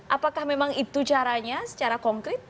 apakah memang itu caranya secara konkret